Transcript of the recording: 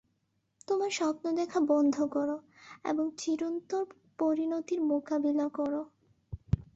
তোমার স্বপ্ন দেখা বন্ধ করো এবং চিরন্তর পরিণতির মোকাবিলা করো।